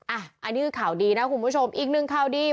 อันนี้คือข่าวดีนะคุณผู้ชมอีกหนึ่งข่าวดี